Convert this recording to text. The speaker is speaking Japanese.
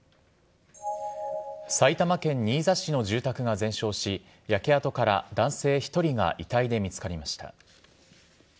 埼玉県新座市の住宅が全焼し、焼け跡から男性１人が遺体で見つかりました。